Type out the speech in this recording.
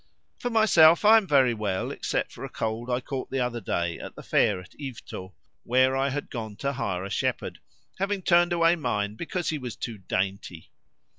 "For myself, I am very well, except for a cold I caught the other day at the fair at Yvetot, where I had gone to hire a shepherd, having turned away mine because he was too dainty.